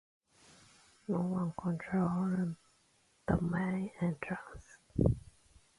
No one controls the main entrance.